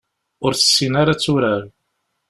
Ur tessin ara ad turar.